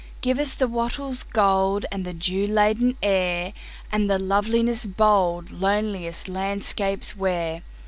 Give us the wattle's goldAnd the dew laden air, And the loveliness boldLoneliest landscapes wear.